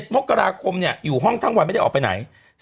มกราคมอยู่ห้องทั้งวันไม่ได้ออกไปไหน